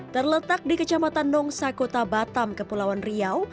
terletak di kecamatan nongsa kota batam kepulauan riau